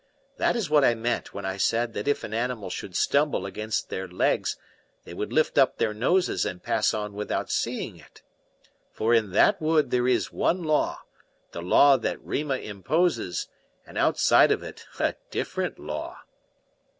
That is what I meant when I said that if an animal should stumble against their legs, they would lift up their noses and pass on without seeing it. For in that wood there is one law, the law that Rima imposes, and outside of it a different law."